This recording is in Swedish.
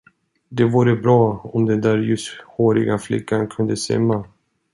Det vore bra, om den där ljushåriga flickan kunde simma.